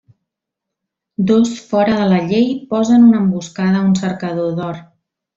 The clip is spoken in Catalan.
Dos fora de la llei posen una emboscada a un cercador d'or.